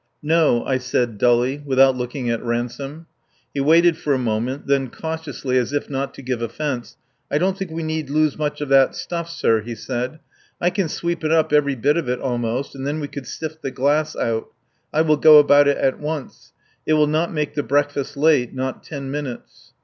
"No," I said dully, without looking at Ransome. He waited for a moment, then cautiously, as if not to give offence: "I don't think we need lose much of that stuff, sir," he said, "I can sweep it up, every bit of it almost, and then we could sift the glass out. I will go about it at once. It will not make the breakfast late, not ten minutes."